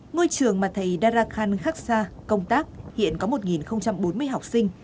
ngôi trường mà thầy darakhan khaksa công tác hiện có một bốn mươi học sinh